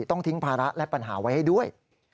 ต้องทิ้งภาระและปัญหาไว้ให้ด้วย